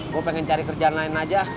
gue pengen cari kerjaan lain aja